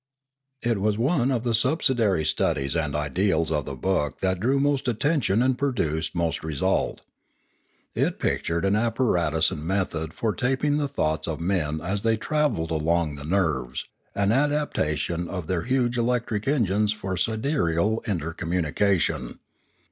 It was one of the subsidiary studies and ideals of the book that drew most attention and produced most re sult. It pictured an apparatus and method for tapping the thoughts of men as they travelled along the nerves, an adaptation of their huge electric engines for sidereal intercommunication.